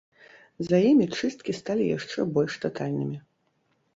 За імі чысткі сталі яшчэ больш татальнымі.